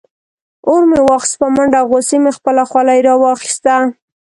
اور مې واخیست په منډه او غصې مې خپله خولۍ راواخیسته.